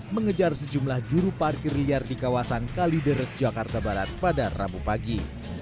mengejar sejumlah juru parkir liar di kawasan kalideres jakarta barat pada rabu pagi